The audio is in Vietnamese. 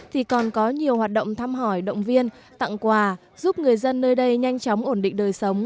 thì còn có nhiều hoạt động thăm hỏi động viên tặng quà giúp người dân nơi đây nhanh chóng ổn định đời sống